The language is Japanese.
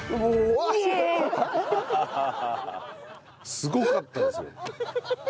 すごかったですよ。